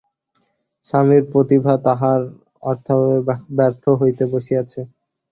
স্বামীর প্রতিভা তাহার অর্থাভাবে ব্যর্থ হইতে বসিয়াছে।